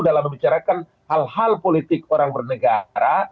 dalam membicarakan hal hal politik orang bernegara